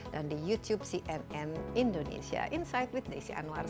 dan di youtube cnn indonesia insight with desi anwar